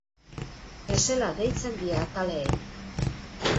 Tesela deitzen die atalei.